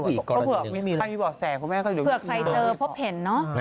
อีกก่อนหนึ่ง